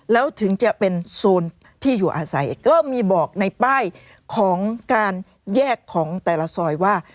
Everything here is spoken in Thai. แล้วถึงจะเป็นโซนที่อยู่อาศัยก็มีบอกในป้ายของการแยกของแต่ละซอยว่า